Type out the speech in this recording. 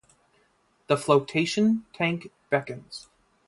The flotation tank beckons.